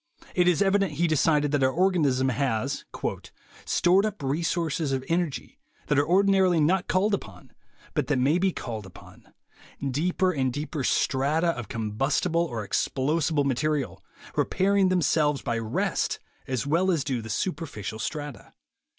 It is evident, he decided, that our organ ism has "stored up reserves of energy that are ordinarily not called upon, but that may be called upon: deeper and deeper strata of combustible or explosible material ... repairing themselves by rest as well as do the superficial strata."